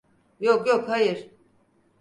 Yok, yok, hayır.